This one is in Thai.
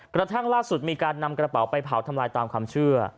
กระทั่งล่าสุดมีการนำกระเป๋าไปเผาทำลายตามความเชื่อ